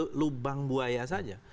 itu lubang buaya saja